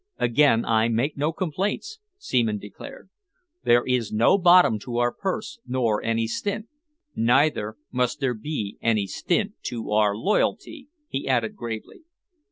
"Again I make no complaints," Seaman declared. "There is no bottom to our purse, nor any stint. Neither must there be any stint to our loyalty," he added gravely.